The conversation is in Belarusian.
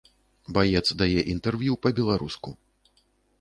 Баец дае інтэрв'ю па-беларуску.